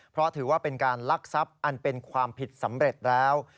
เพราะถือว่าเป็นการลักทรัพย์อันเป็นความผิดสำเร็จแล้ว